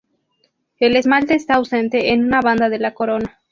El esmalte está ausente en una banda de la corona.